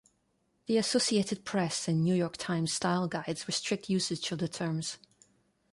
The Associated Press and New York Times style guides restrict usage of the terms.